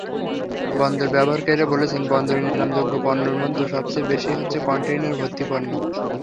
বন্দর ব্যবহারকারীরা বলছেন, বন্দরে নিলামযোগ্য পণ্যের মধ্যে সবচেয়ে বেশি হচ্ছে কনটেইনার-ভর্তি পণ্য।